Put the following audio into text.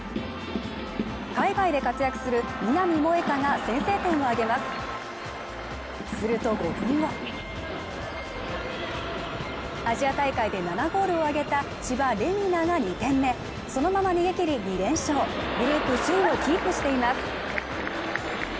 海外で活躍する南萌華が先制点を挙げますすると興奮アジア大会で７ゴールを挙げた千葉玲海菜が２点目そのまま逃げ切り２連勝グループ首位をキープしています